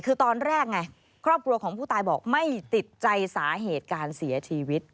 คือตอนแรกไงครอบครัวของผู้ตายบอกไม่ติดใจสาเหตุการเสียชีวิต